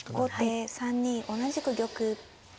後手３二同じく玉。